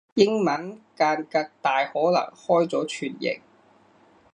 英文間隔大可能開咗全形